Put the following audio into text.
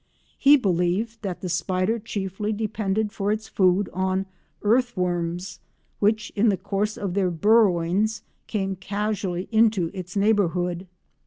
He believed that the spider chiefly depended for its food on earthworms which, in the course of their burrowings, came casually into its neighbourhood.